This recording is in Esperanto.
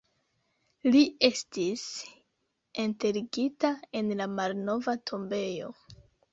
Li estis enterigita en la malnova tombejo.